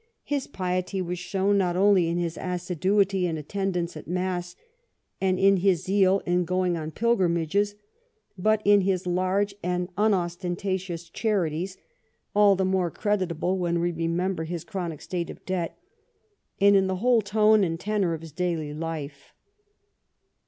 His piety was shown not only in his assiduity in attendance at mass and in his zeal in going on pilgrimages, but in his large and unostentatious charities (all the more credit able when we remember his chronic state of debt), and in the whole tone and tenor of his daily life.